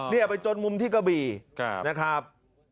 เนี่ยไปจนมุมที่กระบี่นะครับ